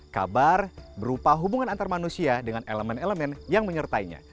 kabar berupa hubungan antar manusia dengan elemen elemen yang menyertainya